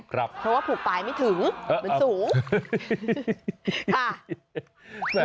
ครับเพราะว่าผูกปลายไม่ถึงเหมือนสูงค่ะ